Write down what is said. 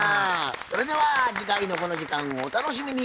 それでは次回のこの時間をお楽しみに。